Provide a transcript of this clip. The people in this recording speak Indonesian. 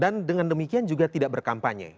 dan dengan demikian juga tidak berkampanye